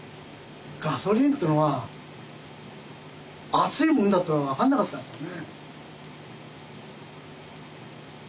ガソリンっていうのは熱いもんだっていうのが分かんなかったんですよね。